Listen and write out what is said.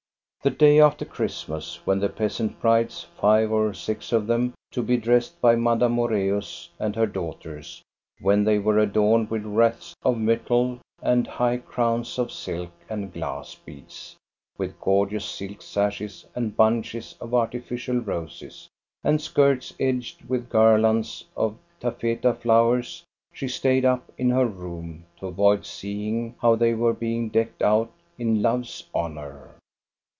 The day after Christmas, when the peasant brides five or six of them, to be dressed by Madame 238 THE STORY OF GOSTA BERLING Moreus and her daughters, when they were adorned with wreaths of myrtle, and high crowns of silk, and glass beads, with gorgeous silk sashes and bunches of artificial roses, and skirts edged with garlands of taffeta flowers, she stayed up in her room to avoid see ing how they were being decked out in Love's honor.